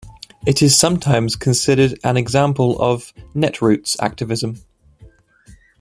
It is sometimes considered an example of "netroots" activism.